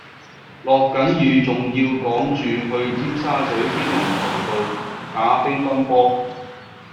落緊雨仲要趕住去尖沙咀天文台道打乒乓波